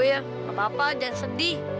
tidak apa apa jangan sedih